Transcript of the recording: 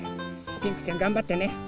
ピンクちゃんがんばってね！